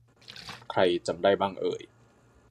ใครจำได้บ้างเอ่ย